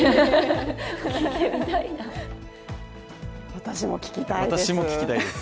私も、聞きたいです。